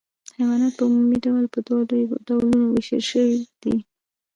حیوانات په عمومي ډول په دوو لویو ډلو ویشل شوي دي